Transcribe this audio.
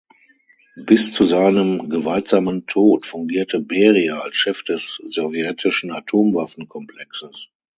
Bis zu seinem gewaltsamen Tod fungierte Beria als Chef des sowjetischen Atomwaffen-Komplexes.